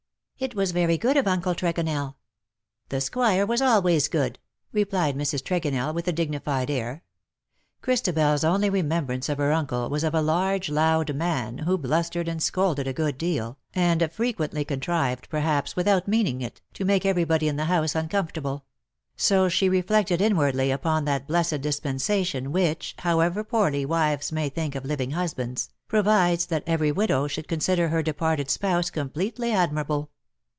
^'^' It was very good of Uncle Tregonell.''^ '' The Squire was always good/' replied Mrs, Tregonell, with a dignified air. ChristabeFs only remembrance of her uncle was of a large loud man, who blustered and scolded a good deal, and fre quently contrived, perhaps, without meaning it, to make everybody in the house uncomfortable ; so she reflected inwardly upon that blessed dispensa tion which, however poorly wives may think of living husbands, provides that every widow should consider her departed spouse completely admir able.